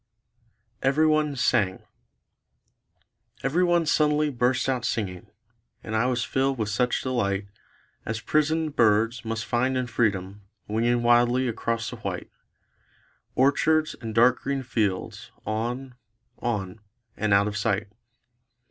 EVERYONE SANG Everyone suddenly burst out singing; And I was filled with such delight As prisoned birds must find in freedom Winging wildly across the white Orchards and dark green fields; on; on; and out of sight.